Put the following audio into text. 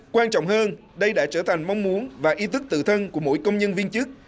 quan trọng hơn đây đã trở thành mong muốn và ý thức tự thân của mỗi công nhân viên chức